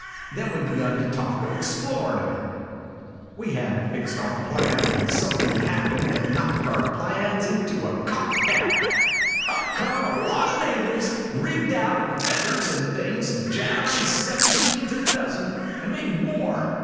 Then we begun to talk of explorin' a bit. We had n't fixed on a plan when somethin' happened that knocked our plans into a cocked hat. Up came a lot of natives rigged out in feathers and things, jabberin' seventeen to the dozen, and maybe more.